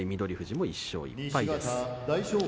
翠富士も１勝１敗です。